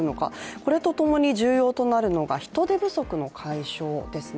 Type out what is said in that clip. これと共に重要となるのが人手不足の解消ですね。